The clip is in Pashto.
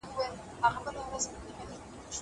زه د کتابتون پاکوالی کړی دی.